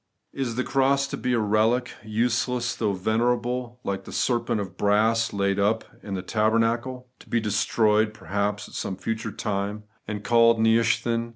Is the cross to be a relic, useless though venerable, like the serpent of brass laid up in the tabernacle ; to be destroyed perhaps at some future time, and eaUed Nehushtan?